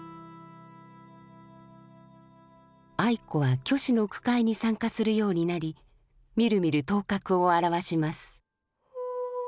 愛子は虚子の句会に参加するようになりみるみる頭角を現します。